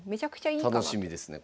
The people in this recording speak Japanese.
楽しみですね